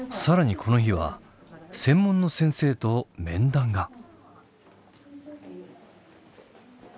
更にこの日は専門の先生と面談が。